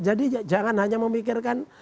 jadi jangan hanya memikirkan